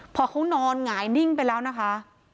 พอเขานอนหงายนิ่งไปแล้วนะคะ